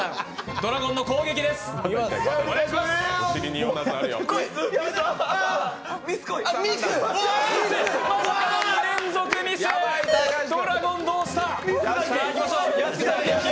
ドラゴン、どうした！